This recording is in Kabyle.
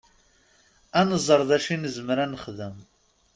Ad nẓer d acu i nezmer ad nexdem.